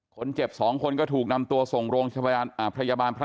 คนเจ็บ๒คนก็ถูกนำตัวส่งโรงพยาบาลพระนั่งเต้านะครับ